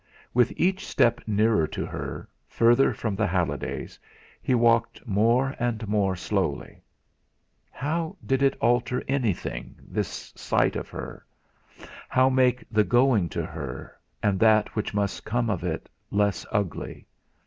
With each step nearer to her, further from the Hallidays, he walked more and more slowly. How did it alter anything this sight of her? How make the going to her, and that which must come of it, less ugly?